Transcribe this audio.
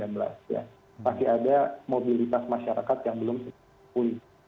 ya masih ada mobilitas masyarakat yang belum dipulih